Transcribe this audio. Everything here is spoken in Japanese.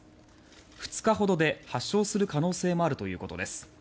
２日ほどで発症する可能性もあるということです。